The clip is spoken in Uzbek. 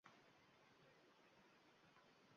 Ortiq bu haqda og`iz ochmasligimnitayinladi